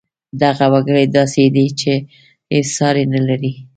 دغه وګړی داسې دی چې هېڅ ساری نه لري